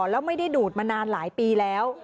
แล้วไม่ได้ดูดมานานหลายปีแล้ว